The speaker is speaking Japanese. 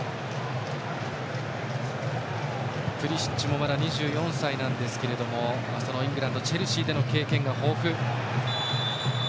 プリシッチもまだ２４歳ですがイングランド、チェルシーでの経験が豊富。